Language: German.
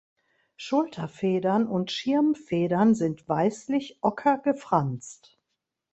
Schulterfedern und Schirmfedern sind weißlich ocker gefranst.